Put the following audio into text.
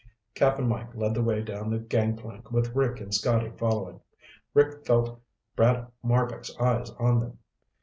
Cap'n Mike led the way down the gangplank with Rick and Scotty following. Rick felt Brad Marbek's eyes on them.